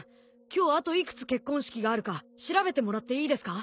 今日あと幾つ結婚式があるか調べてもらっていいですか？